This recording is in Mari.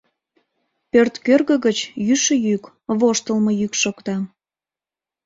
Пӧрт кӧргӧ гыч йӱшӧ йӱк, воштылмо йӱк шокта...